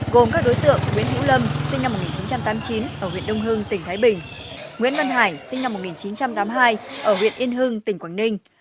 gồm các đối tượng nguyễn hữu lâm sinh năm một nghìn chín trăm tám mươi chín ở huyện đông hưng tỉnh thái bình nguyễn văn hải sinh năm một nghìn chín trăm tám mươi hai ở huyện yên hưng tỉnh quảng ninh